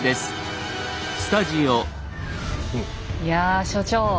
いや所長。